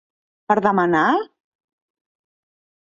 Per demanar!?